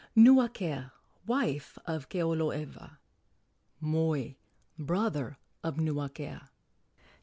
Nuakea, wife of Keoloewa. Moi, brother of Nuakea.